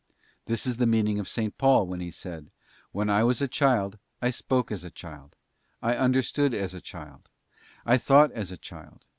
This is the meaning of S. Paul when he said: 'When I was a child, I spoke as a child, I understood as a child, I thought as a child.